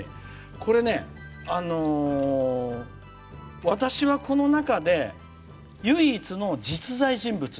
これ、私はこの中で唯一の実在人物